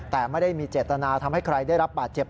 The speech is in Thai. แต่ไม่ได้มีเจตนาทำให้ใครได้รับบาดเจ็บ